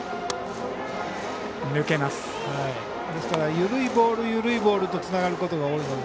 緩いボール、緩いボールとつながることがあるので。